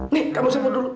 nih kamu semua dulu